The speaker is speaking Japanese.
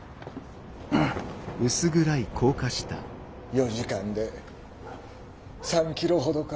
４時間で３キロほどか。